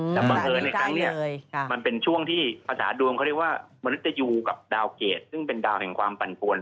แต่บังเอิญในครั้งนี้มันเป็นช่วงที่ภาษาดวงเขาเรียกว่ามนุษยูกับดาวเกรดซึ่งเป็นดาวแห่งความปั่นปวน